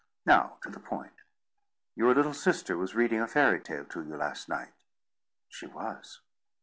Now, to the point. Your little sister was reading a fairy tale to you last night." "She was."